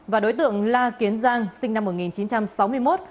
và đối tượng la kiến giang sinh năm một nghìn chín trăm sáu mươi một